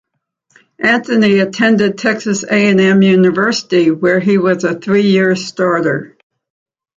Anthony attended Texas A and M University, where he was a three-year starter.